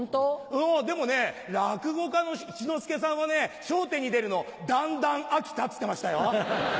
うんでもね落語家の一之輔さんはね『笑点』に出るのだんだんアキタっつってましたよ。